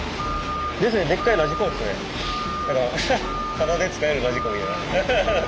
タダで使えるラジコン。